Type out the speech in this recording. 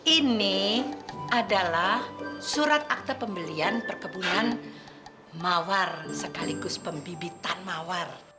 ini adalah surat akte pembelian perkebunan mawar sekaligus pembibitan mawar